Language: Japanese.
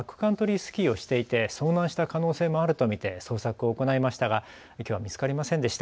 スキーをしていて遭難した可能性もあると見て捜索を行いましたがきょうは見つかりませんでした。